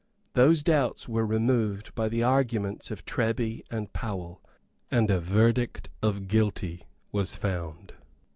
Those doubts were removed by the arguments of Treby and Powell; and a verdict of Guilty was found.